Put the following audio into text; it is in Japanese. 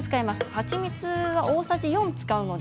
はちみつは大さじ４使います。